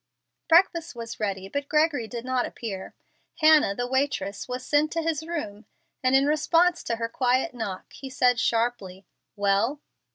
Breakfast was ready, but Gregory did not appear. Hannah, the waitress, was sent to his room, and in response to her quiet knock he said, sharply, "Well?"